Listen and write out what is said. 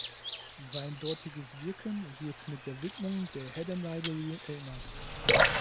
Sein dortiges Wirken wird mit der Widmung der "Haddon Library" erinnert.